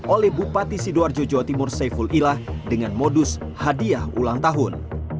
oleh bupati sidoarjo jawa timur saiful ilah dengan modus hadiah ulang tahun